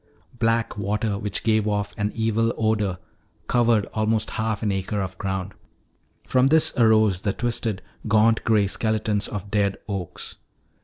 Black water which gave off an evil odor covered almost half an acre of ground. From this arose the twisted, gaunt gray skeletons of dead oaks.